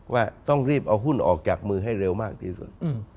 ว่าต้องรีบเอาหุ้นออกจากมือให้เร็วมากที่สุด